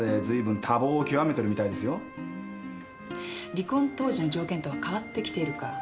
離婚当時の条件とは変わってきているか。